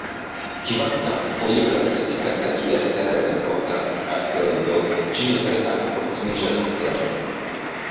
Kvankam foje klasifikata kiel terrenkonta asteroido, ĝi ne tre alproksimiĝas Teron.